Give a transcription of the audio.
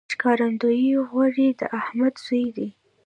ښکارندوی غوري د احمد زوی دﺉ.